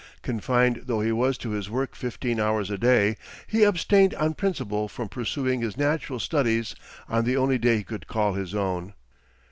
Confined though he was to his work fifteen hours a day, he abstained on principle from pursuing his natural studies on the only day he could call his own.